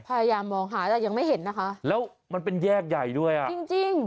พยายามมองหาแต่ยังไม่เห็นนะคะแล้วมันเป็นแยกใหญ่ด้วยอ่ะจริงจริง